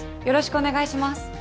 よろしくお願いします。